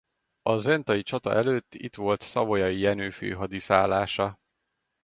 A zentai csata előtt itt volt Savoyai Jenő főhadiszállása.